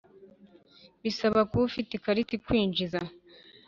Bisaba kuba ufite ikarita ikwinjiza